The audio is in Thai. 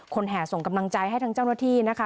แห่ส่งกำลังใจให้ทั้งเจ้าหน้าที่นะคะ